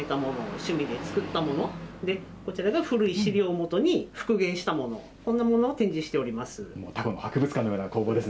もう、こちらは祖父が趣味で集めたもの、趣味で作った物、こちらが古い資料を基に復元したもの、そんなものを展示しております。